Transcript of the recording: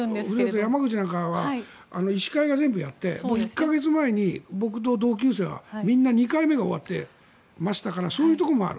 山口なんかは医師会が全部やって１か月前に僕の同級生はみんな２回目が終わってましたからそういうところもある。